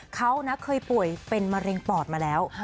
เขาเคยป่วยเป็นมะเร็งปอดมาแล้ว